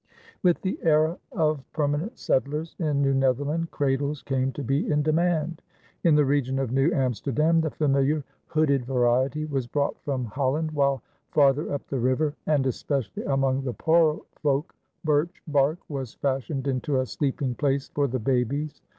With the era of permanent settlers in New Netherland, cradles came to be in demand. In the region of New Amsterdam the familiar hooded variety was brought from Holland, while farther up the river and especially among the poorer folk birch bark was fashioned into a sleeping place for the babies.